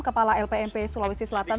kepala lpnp sulawesi selatan